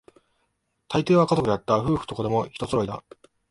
大抵は家族だった、夫婦と子供、一揃いだ